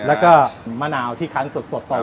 แล้วก็มะนาวที่คันสดต่อวันนะครับ